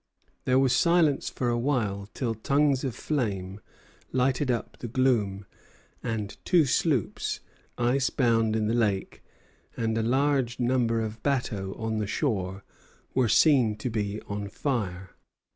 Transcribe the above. There was silence for a while, till tongues of flame lighted up the gloom, and two sloops, ice bound in the lake, and a large number of bateaux on the shore were seen to be on fire.